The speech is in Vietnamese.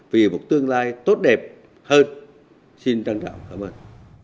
vì một tương lai tốt đẹp hơn xin trân trọng cảm ơn